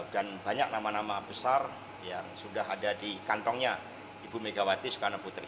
dan banyak nama nama besar yang sudah ada di kantongnya ibu megawati sukarno putri